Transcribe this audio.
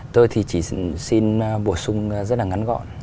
tôi thì chỉ xin bổ sung rất là ngắn gọn